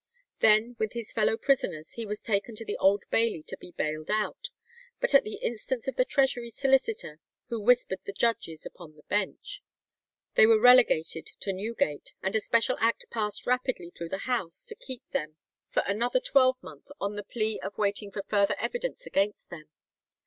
Then with his fellow prisoners he was taken to the Old Bailey to be bailed out, but at the instance of the Treasury solicitor, who "whispered the judges upon the bench," they were relegated to Newgate, and a special act passed rapidly through the House to keep them for another twelvemonth on the plea of waiting for further evidence against them.